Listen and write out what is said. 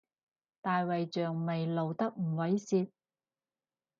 大衛像咪露得唔猥褻